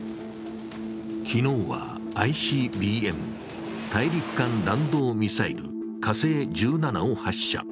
昨日はＩＣＢＭ＝大陸間弾道ミサイル・火星１７を発射。